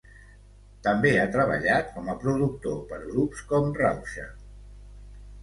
També ha treballat com a productor per grups com Rauxa.